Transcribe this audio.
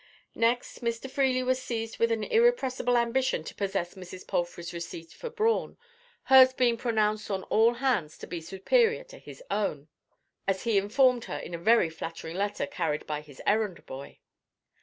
Next, Mr. Freely was seized with an irrepressible ambition to posses Mrs. Palfrey's receipt for brawn, hers being pronounced on all hands to be superior to his own—as he informed her in a very flattering letter carried by his errand boy.